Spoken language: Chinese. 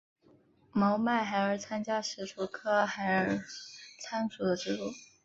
毛脉孩儿参为石竹科孩儿参属的植物。